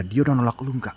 dia udah nolak lo enggak